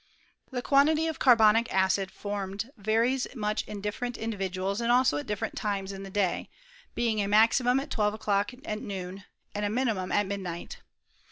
The quantity of carbonic acid formed varies much in different individuals, and also at different times in the day; being a maximum at twelve o'clock at noon, and a minimum at midnight.